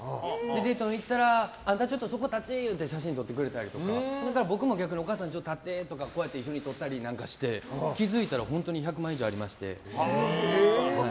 デートに行ったらあんた、ちょっとそこ立ち！って写真撮ってくれたりとか僕も逆にお母さん立ってって言ったり一緒に撮ったりなんかして気づいたら本当に１００枚以上ありまして。